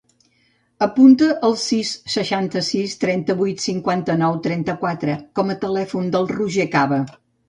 Apunta el sis, seixanta-sis, trenta-vuit, cinquanta-nou, trenta-quatre com a telèfon del Roger Caba.